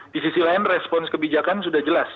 di sisi lain respons kebijakan sudah jelas